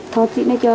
thôi chị này cho